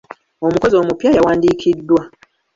Omukozi omupya yawandiikiddwa.